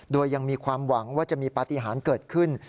โดยยังมีความหวังว่าจะมีปฏิหารเกิดขึ้น